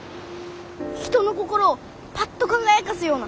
人の心をパッと輝かすような。